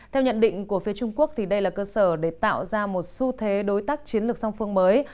theo nhận định của phía trung quốc đây là cơ sở để tạo ra một xu thế đối tác chiến lược song phương mới